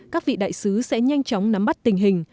các vị đại sứ sẽ nhanh chóng nắm bắt tình hình